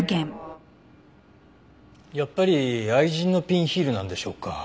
やっぱり愛人のピンヒールなんでしょうか？